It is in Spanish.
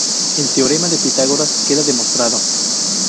El teorema de Pitágoras queda demostrado.